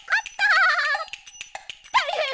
たいへん！